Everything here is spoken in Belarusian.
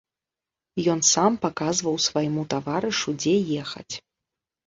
Ён сам паказваў свайму таварышу, дзе ехаць.